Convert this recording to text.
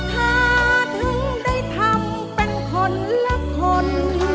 เธอถึงได้ทำเป็นคนละคน